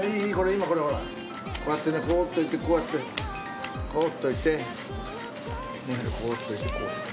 今これほらこうやってねこう折っておいてこうやってこう折っておいてこうねこう折っておいてこうだ。